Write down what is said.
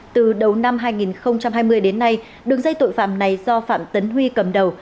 từ đầu năm hai nghìn hai mươi đến nay đường dây tội phạm này do phạm tấn huy cầm đầu